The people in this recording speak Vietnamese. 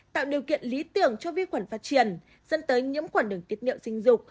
tạo điều kiện lý tưởng cho vi khuẩn phát triển dẫn tới nhiễm khuẩn đường tiết miệu sinh dục